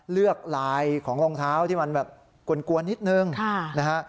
เลือกลายของรองเท้าที่มันแบบกลวนกลัวนิดหนึ่งค่ะนะฮะ